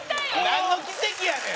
なんの奇跡やねん。